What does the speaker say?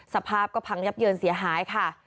สภาพก็พังยับเยินเสียหายค่ะ